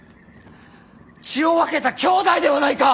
血を分けた兄弟ではないか！